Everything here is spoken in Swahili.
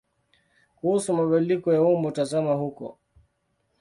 Kuhusu mabadiliko ya umbo tazama huko.